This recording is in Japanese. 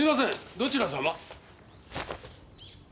どちら様？